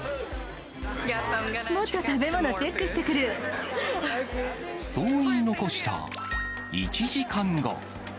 もっと食べ物チェックしてくそう言い残した１時間後。